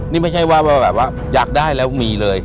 นี่ไม่ใช่ว่าอยากได้แล้วมีเลย